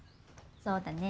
そうだね。